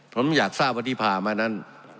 ผมอยากทราบว่าที่ผ่ามานั้น